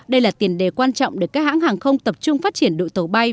đây là tiền đề quan trọng để các hãng hàng không tập trung phát triển đội tàu bay